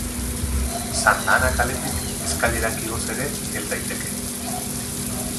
Santa Ana kaletik eskailerak igoz ere hel daiteke.